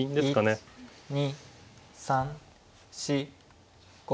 １２３４５。